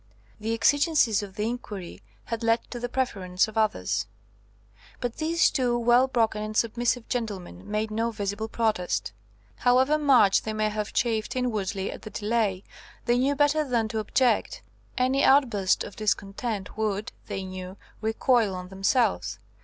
The exigencies of the inquiry had led to the preference of others, but these two well broken and submissive gentlemen made no visible protest. However much they may have chafed inwardly at the delay, they knew better than to object; any outburst of discontent would, they knew, recoil on themselves.